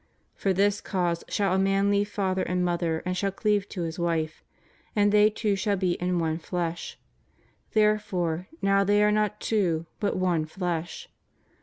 For this cause shall a man leave father and mother, and shall cleave to his xiyife, and they two shall be in one flesh. Therefore now they are not two, hut one flesh.